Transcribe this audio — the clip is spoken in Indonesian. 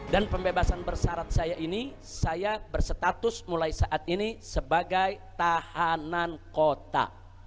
dan pembebasan bersarat saya ini saya berstatus mulai saat ini sebagai tahanan kota